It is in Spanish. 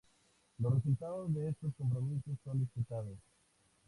Los resultados de estos compromisos son disputados.